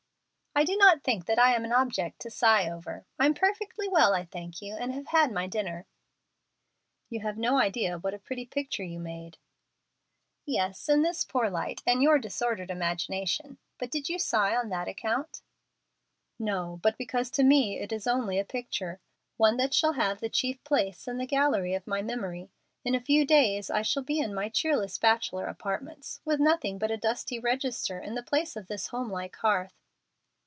"I do not think that I am an object to sigh over. I'm perfectly well, I thank you, and have had my dinner." "You have no idea what a pretty picture you made." "Yes, in this poor light, and your disordered imagination. But did you sigh on that account?" "No, but because to me it is only a picture one that shall have the chief place in the gallery of my memory. In a few days I shall be in my cheerless bachelor apartments, with nothing but a dusty register in the place of this home like hearth."